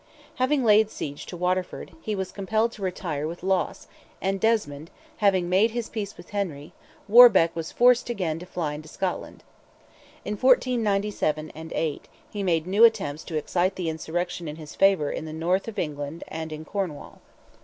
Having laid siege to Waterford, he was compelled to retire with loss, and Desmond having made his peace with Henry, Warbeck was forced again to fly into Scotland. In 1497 and '8, he made new attempts to excite insurrection in his favour in the north of England and in Cornwall.